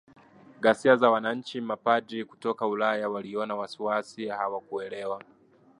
ghasia za wananchi Mapadri kutoka Ulaya waliona wasiwasi hawakuelewa